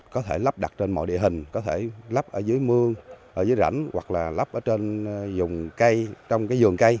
có thể lắp đặt trên mọi địa hình có thể lắp ở dưới mưa ở dưới rãnh hoặc là lắp ở trên dùng cây trong cái giường cây